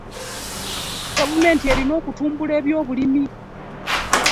Gavumenti erina okutumbula ebyobulimi.